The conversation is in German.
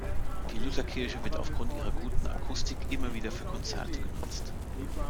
Die Lutherkirche wird aufgrund ihrer guten Akustik immer wieder für Konzerte genutzt.